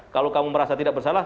kalau kamu merasa tidak bersalah